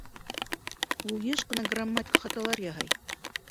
Ул йыш ҡына грамматик хаталар яһай